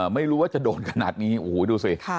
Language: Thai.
ไม่รู้ว่าจะโดนขนาดนี้โอ้โหดูสิ